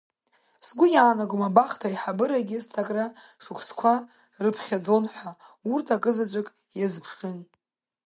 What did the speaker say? Сгу иаанагом, абахҭа аиҳабырагьы сҭакра шықускуа рыԥхьаӡон ҳәа, урҭ акызаҵәык иазԥшын…